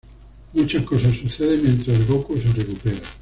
Muchas cosas suceden mientras "Gokū" se recupera.